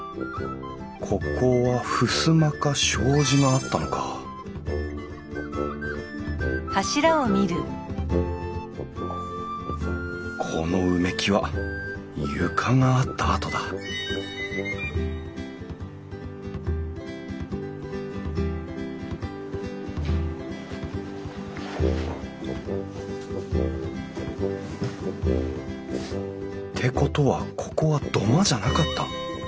ここは襖か障子があったのかこの埋木は床があった跡だってことはここは土間じゃなかった。